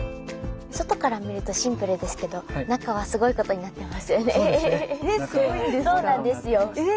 外から見るとシンプルですけど中はすごいことになってますよね。